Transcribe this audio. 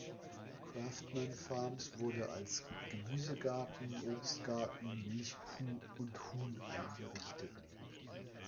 Craftsman Farms wurde als Gemüsegarten, Obstgarten, Milchkuh und Huhn eingerichtet.